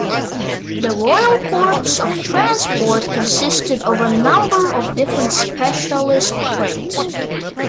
The Royal Corps of Transport consisted of a number of different specialist trades.